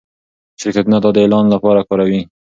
شرکتونه دا د اعلان لپاره کاروي.